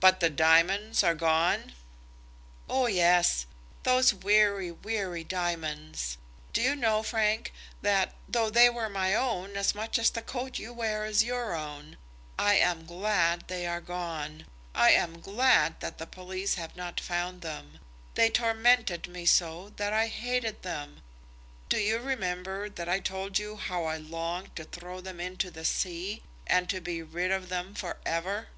"But the diamonds are gone?" "Oh yes; those weary, weary diamonds. Do you know, Frank, that, though they were my own, as much as the coat you wear is your own, I am glad they are gone. I am glad that the police have not found them. They tormented me so that I hated them. Don't you remember that I told you how I longed to throw them into the sea, and to be rid of them for ever?"